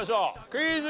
クイズ。